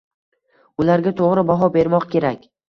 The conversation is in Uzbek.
Ularga to’g’ri baho bermoq kerak.